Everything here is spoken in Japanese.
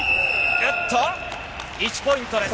おっと、１ポイントです。